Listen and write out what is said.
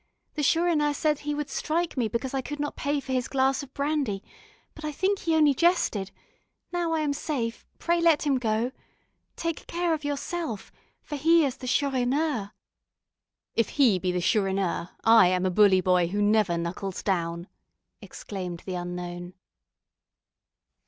The Chourineur said he would strike me because I could not pay for his glass of brandy; but I think he only jested. Now I am safe, pray let him go. Take care of yourself, for he is the Chourineur." "If he be the Chourineur, I am a bully boy who never knuckles down," exclaimed the unknown.